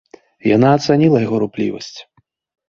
Яна ацаніла яго руплівасць.